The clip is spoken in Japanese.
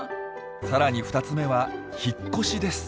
さらに２つ目は「引っ越し」です。